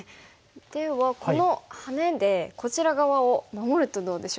ではこのハネでこちら側を守るとどうでしょうか。